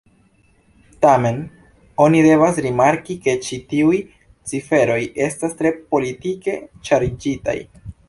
Tamen, oni devas rimarki ke ĉi tiuj ciferoj estas tre politike ŝarĝitaj.